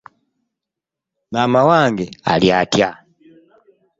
Maama wange ali atya?